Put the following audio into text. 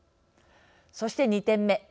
そして２点目。